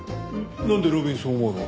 なんで路敏そう思うの？